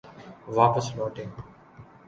واپس لوٹے۔